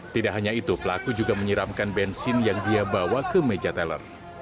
tidak hanya itu pelaku juga menyiramkan bensin yang dia bawa ke meja teller